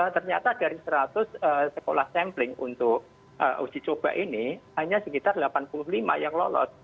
ternyata dari seratus sekolah sampling untuk uji coba ini hanya sekitar delapan puluh lima yang lolos